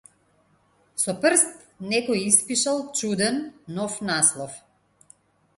Со прст некој испишал чуден, нов наслов.